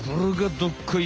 どっこい